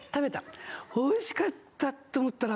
美味しかったと思ったら。